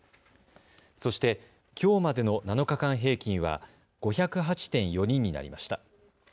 そして、きょうまでの７日間平均は５０８．４人になりました。